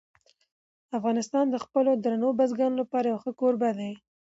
افغانستان د خپلو درنو بزګانو لپاره یو ښه کوربه دی.